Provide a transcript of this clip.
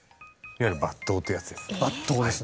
いわゆる抜刀ってやつです。